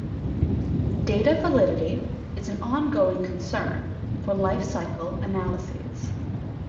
Data validity is an ongoing concern for life cycle analyses.